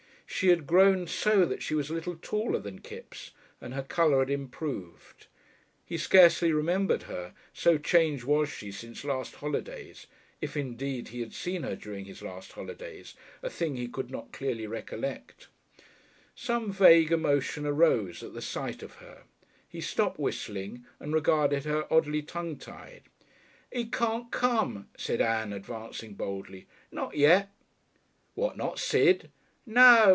She had grown so that she was a little taller than Kipps, and her colour had improved. He scarcely remembered her, so changed was she since last holidays if indeed he had seen her last holidays, a thing he could not clearly remember. Some vague emotion arose at the sight of her. He stopped whistling and regarded her, oddly tongue tied. "He can't come," said Ann, advancing boldly. "Not yet." "What not Sid?" "No.